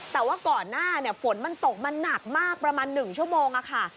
แต่ว่าก่อนหน้าฝนมันตกมันหนักมากประมาณ๑ชั่วโมงค่ะ